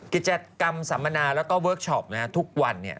กิจกรรมสัมมนาแล้วก็เวิร์คชอปทุกวัน